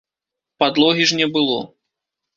Падлогі ж не было.